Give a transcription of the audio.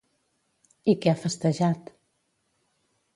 I què ha festejat?